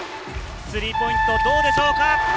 スリーポイントどうでしょうか。